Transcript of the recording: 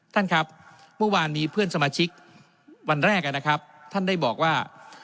ท่านครับเมื่อวานนี้เพื่อนสมาชิกวันแรกนะครับท่านได้บอกว่า